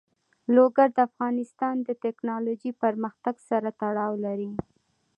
لوگر د افغانستان د تکنالوژۍ پرمختګ سره تړاو لري.